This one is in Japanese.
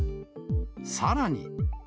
さらに。